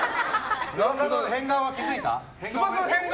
変顔は気づいた？